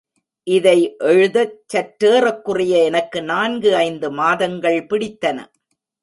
இதை எழுதச் சற்றேறக்குறைய எனக்கு நான்கு ஐந்து மாதங்கள் பிடித்தன.